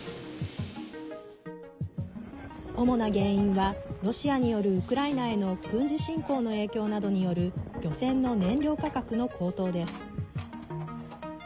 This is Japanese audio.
主な原因は、ロシアによるウクライナへの軍事侵攻の影響などによる漁船の燃料価格の高騰です。